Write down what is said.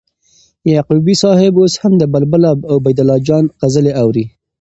یعقوبی صاحب اوس هم د بلبل عبیدالله جان غزلي اوري